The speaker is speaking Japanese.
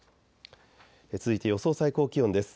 続いて予想最高気温です。